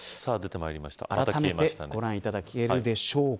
あらためてご覧いただけるでしょうか。